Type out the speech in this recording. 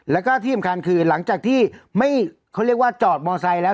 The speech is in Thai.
แล้วก็ที่สำคัญคือหลังจากที่ไม่เขาเรียกว่าจอดมอไซค์แล้ว